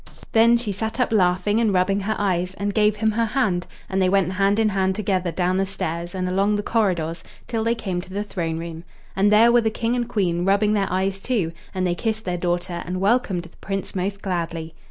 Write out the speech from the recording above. Then she sat up laughing and rubbing her eyes, and gave him her hand, and they went hand in hand together down the stairs and along the corridors, till they came to the throne room. And there were the King and Queen rubbing their eyes too, and they kissed their daughter and welcomed the Prince most gladly.